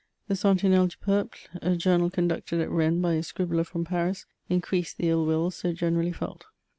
The Sentinelle du Peuple, a journal conducted at Rennes by a scribbler from Paris, increased the ill will so generally felt.